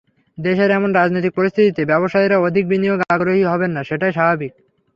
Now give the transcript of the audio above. দেশের এমন রাজনৈতিক পরিস্থিতিতে ব্যবসায়ীরা অধিক বিনিয়োগে আগ্রহী হবেন না, সেটাই স্বাভাবিক।